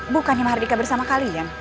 bukannya mahardika bersama kalian